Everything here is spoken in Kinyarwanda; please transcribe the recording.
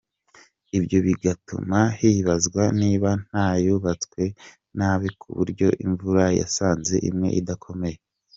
Ibyo bigatuma hibazwa niba nta yubatswe nabi ku buryo imvura yasanze imwe idakomeye.